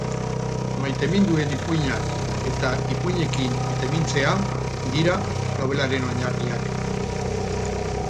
Maiteminduen ipuinak eta ipuinekin maitemintzea dira nobelaren oinarriak.